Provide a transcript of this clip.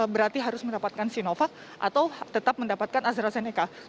berarti harus mendapatkan sinovac atau tetap mendapatkan astrazeneca